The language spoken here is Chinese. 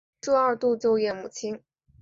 协助二度就业母亲